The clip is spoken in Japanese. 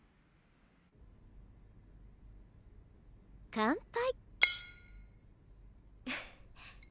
乾杯。